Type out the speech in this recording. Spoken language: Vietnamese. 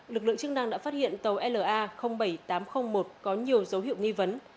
lực lượng chức năng đã phát hiện tàu la bảy nghìn tám trăm linh một có nhiều dấu hiệu nghi vấn